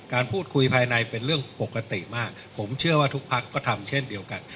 การพูดคุยภายในเป็นเรื่องปกติมากผมเชื่อว่าทุกพักก็ทำเช่นเดียวกัน